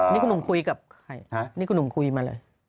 นี่คุณหนุ่มคุยกับใครนี่คุณหนุ่มคุยมาเลย